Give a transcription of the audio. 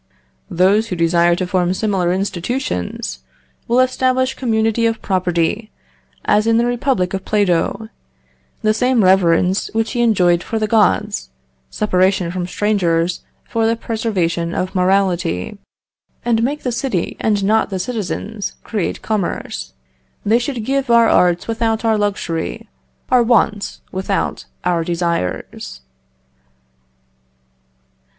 "Those who desire to form similar institutions, will establish community of property, as in the republic of Plato, the same reverence which he enjoined for the gods, separation from strangers for the preservation of morality, and make the city and not the citizens create commerce: they should give our arts without our luxury, our wants without our desires."